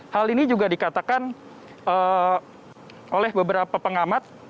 hal ini juga dikatakan oleh beberapa pengamat